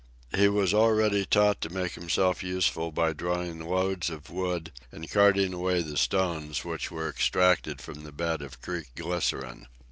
He was already taught to make himself useful by drawing loads of wood and carting away the stones which were extracted from the bed of Creek Glycerine.